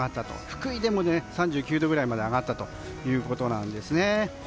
福井でも３９度くらいまで上がったということなんですね。